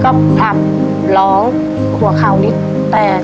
กลับหลองหัวขาวนิดแตก